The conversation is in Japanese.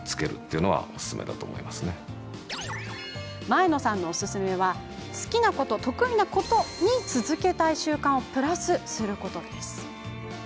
前野さんのおすすめは好きなこと、得意なことに続けたい習慣をプラスすること。